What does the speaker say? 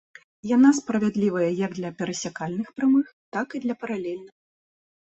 Яна справядлівая як для перасякальных прамых, так і для паралельных.